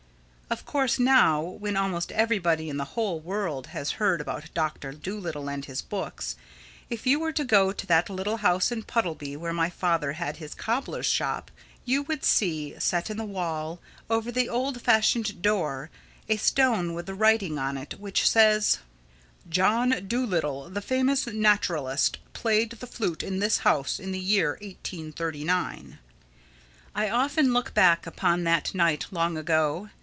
Of course now, when almost everybody in the whole world has heard about Doctor Dolittle and his books, if you were to go to that little house in Puddleby where my father had his cobbler's shop you would see, set in the wall over the old fashioned door, a stone with writing on it which says: "JOHN DOLITTLE, THE FAMOUS NATURALIST, PLAYED THE FLUTE IN THIS HOUSE IN THE YEAR 1839." I often look back upon that night long, long ago.